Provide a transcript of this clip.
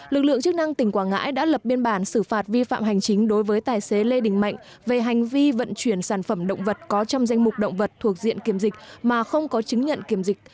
lực lượng chức năng tỉnh quảng ngãi đã lập biên bản xử phạt vi phạm hành chính đối với tài xế lê đình mạnh về hành vi vận chuyển sản phẩm động vật có trong danh mục động vật thuộc diện kiểm dịch mà không có chứng nhận kiểm dịch